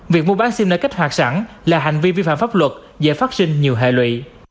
việc mua bán sim nơi kích hoạt sẵn là hành vi vi phạm pháp luật dễ phát sinh nhiều hệ lụy